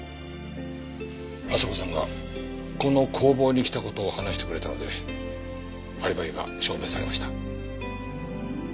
朝子さんがこの工房に来た事を話してくれたのでアリバイが証明されました。